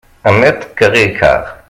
Un mètre-carré et quart.